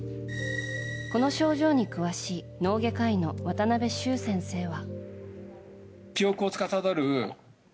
この症状に詳しい脳外科医の渡邉修先生は。